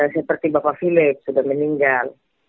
seperti bapak philip sudah meninggal